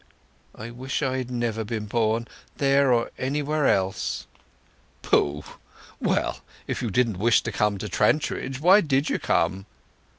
"I wish I had never been born—there or anywhere else!" "Pooh! Well, if you didn't wish to come to Trantridge why did you come?"